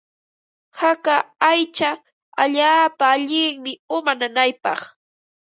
Haka aycha allaapa allinmi uma nanaypaq.